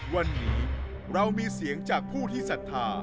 วันนี้เรามีเสียงจากผู้ที่ศรัทธา